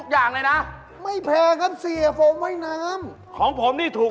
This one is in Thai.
๑๐บาททะพุดนี่หนู